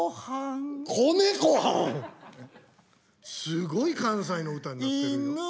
すごい関西の歌になってる。